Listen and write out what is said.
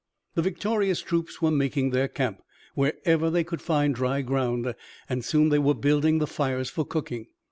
The victorious troops were making their camp, wherever they could find dry ground, and soon they were building the fires for cooking.